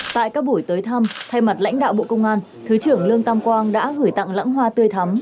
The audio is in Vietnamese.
tại các buổi tới thăm thay mặt lãnh đạo bộ công an thứ trưởng lương tam quang đã gửi tặng lãng hoa tươi thắm